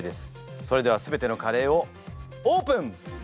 それでは全てのカレーをオープン！